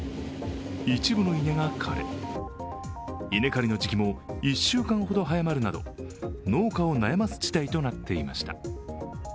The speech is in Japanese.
一部の稲が枯れ、稲刈りの時期も１週間ほど早まるなど農家を悩ます事態となっていました。